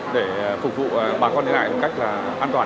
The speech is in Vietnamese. để phục vụ bà con đi lại một cách là an toàn